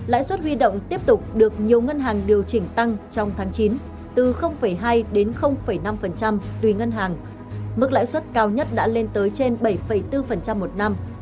lãi suất huy động tiếp tục được nhiều ngân hàng điều chỉnh tăng trong tháng chín từ hai đến năm tùy ngân hàng mức lãi suất cao nhất đã lên tới trên bảy bốn một năm